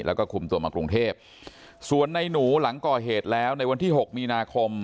แล้วก็คุมตัวมากรุงเทพส่วนในหนูหลังก่อเหตุแล้วในวันที่หกมีนาคม